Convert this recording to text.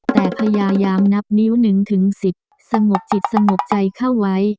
แต่พญายามนับนิ้วหนึ่งถึงสิบสงบจิตสงบใจเข้าไว้